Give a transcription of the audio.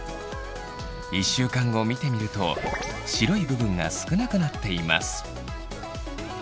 １週間後見てみると白い部分が少なくなっています。